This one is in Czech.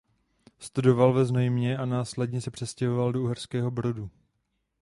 Studoval ve Znojmě a následně se přestěhoval do Uherského Brodu.